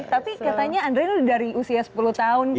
tapi katanya anda ini udah dari usia sepuluh tahun kan